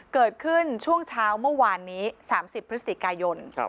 เกิดขึ้นช่วงเช้าเมื่อวานนี้๓๐พฤศจิกายน